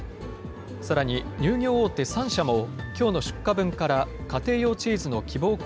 さらに乳業大手３社も、きょうの出荷分から家庭用チーズの希望